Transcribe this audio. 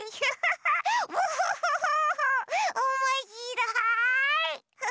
おもしろい！